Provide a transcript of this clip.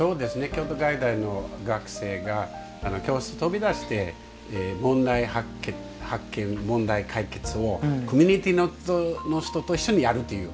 京都外大の学生が教室を飛び出してオンライン問題解決をコミュニティーの人と一緒にやるという。